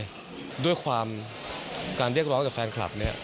เพราะที่ความการเรียกร้องกับแฟนคลับเนี้ย